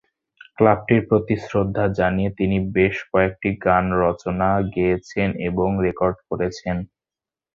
ক্লাবটির প্রতি শ্রদ্ধা জানিয়ে তিনি বেশ কয়েকটি গান রচনা, গেয়েছেন এবং রেকর্ড করেছেন।